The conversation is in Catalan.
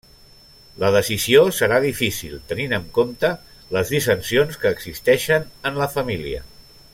La decisió serà difícil tenint en compte les dissensions que existeixen en la família.